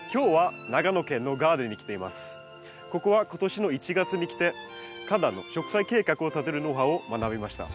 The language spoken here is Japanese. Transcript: ここは今年の１月に来て花壇の植栽計画を立てるノウハウを学びました。